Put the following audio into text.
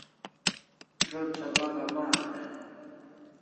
Zo't sabak aman e ?